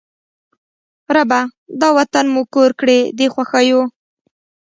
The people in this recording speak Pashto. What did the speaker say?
ربه! دا وطن مو کور کړې د خوښیو